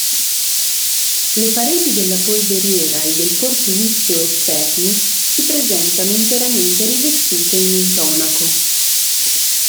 Le pareti della polveriera e del fortilizio esterni si presentano interamente rivestite in intonaco.